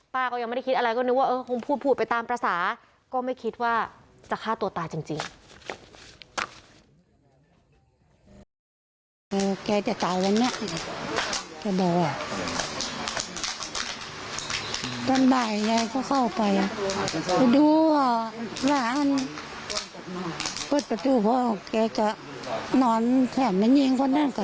ก็ยังไม่ได้คิดอะไรก็นึกว่าเออคงพูดไปตามภาษาก็ไม่คิดว่าจะฆ่าตัวตายจริง